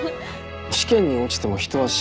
試験に落ちても人は死なない。